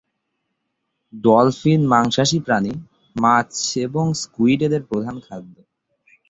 Dolphin মাংসাশী প্রাণী, মাছ এবং স্কুইড এদের প্রধান খাদ্য।